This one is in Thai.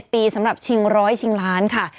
ปีสำหรับชิงร้อยชิงล้านค่ะ